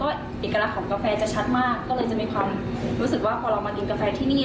ก็เลยจะมีความรู้สึกว่าพอเรามากินกาแฟที่นี่